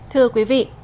thưa quý vị